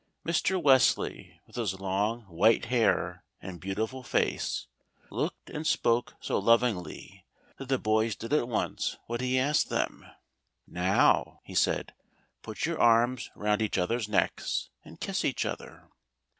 Mr. Wesley, with his long white hair and beautiful face, looked and spoke so lovingly, that the boys did at once what he asked them. "Now," he said, "put your arms round each other's necks, and kiss each other."